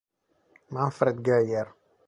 Manfred Geyer